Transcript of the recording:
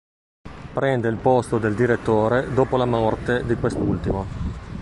Prende il posto del direttore dopo la morte di quest'ultimo.